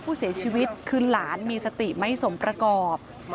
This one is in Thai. ผู้เสียชีวิตคือหลานมีสติไม่สมประกอบ